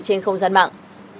trên không gian mạng